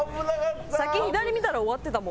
先左見たら終わってたもう。